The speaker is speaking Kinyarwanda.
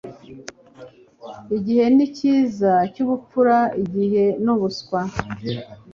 igihe nicyiza cyubupfapfa, igihe nubuswa